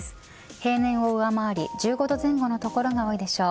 平年を上回り１５度前後の所が多いでしょう。